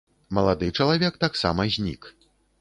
Малады чалавек таксама знік.